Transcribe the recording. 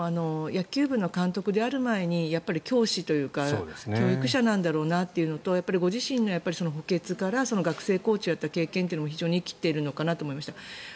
野球部の監督である前に教師というか教育者なんだろうなというのとご自身の補欠から学生コーチをやった経験というのも非常に生きているのかなと思いました。